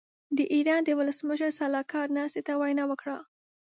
د ايران د ولسمشر سلاکار ناستې ته وینا وکړه.